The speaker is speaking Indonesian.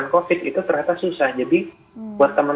covid yang ada di sekitaran